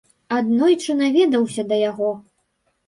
Аднойчы наведаўся да яго.